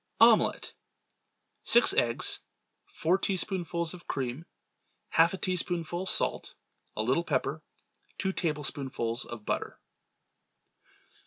Omelette. Six eggs. Four teaspoonfuls of cream. Half a teaspoonful salt. A little pepper. Two tablespoonfuls of butter.